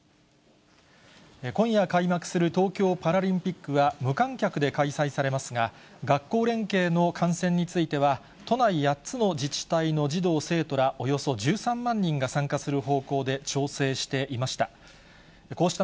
今夜開幕する東京パラリンピックは無観客で開催されますが、学校連携の観戦については、都内８つの自治体の児童・生徒ら、およそ１３万人が参加する方向で調整していました。